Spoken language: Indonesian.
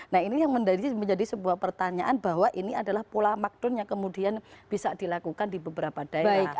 nah ini yang menjadi sebuah pertanyaan bahwa ini adalah pola makdon yang kemudian bisa dilakukan di beberapa daerah